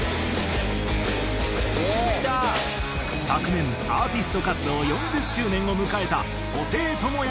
昨年アーティスト活動４０周年を迎えた布袋寅泰を特集。